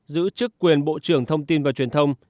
giữ chức quyền bộ trưởng thông tin và truyền thông